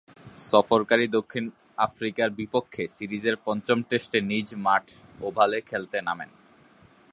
সফরকারী দক্ষিণ আফ্রিকার বিপক্ষে সিরিজের পঞ্চম টেস্টে নিজ মাঠ ওভালে খেলতে নামেন।